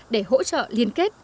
để hỗ trợ liên kết